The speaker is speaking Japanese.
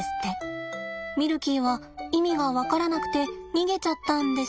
ミルキーは意味が分からなくて逃げちゃったんでした。